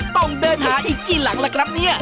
ต้องเดินหาอีกกี่หลังล่ะครับเนี่ย